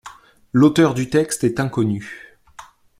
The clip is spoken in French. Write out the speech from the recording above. L'auteur du texte est inconnu.